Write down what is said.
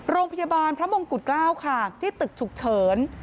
โรงพยาบาลพระมงกุฎเกล้าค่ะที่ตึกฉุกเฉิน